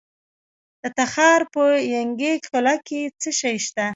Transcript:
د تخار په ینګي قلعه کې څه شی شته؟